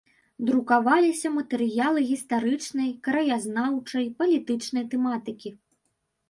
Друкаваліся матэрыялы гістарычнай, краязнаўчай, палітычнай тэматыкі.